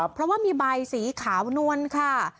เพราะว่ามีใบสีขาวนวลค่ะ